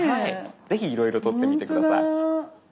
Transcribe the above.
是非いろいろ撮ってみて下さい。